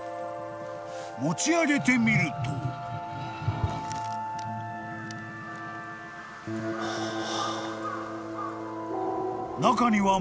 ［持ち上げてみると］ハァ。